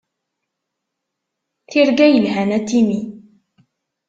Tirga yelhan a Timmy.